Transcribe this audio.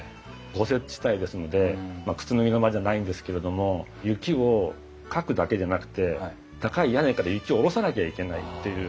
豪雪地帯ですので靴脱ぎの間じゃないんですけれども雪をかくだけでなくて高い屋根から雪を下ろさなきゃいけないっていう。